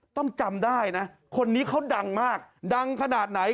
ต้องจำได้นะคนนี้เขาดังมากดังขนาดไหน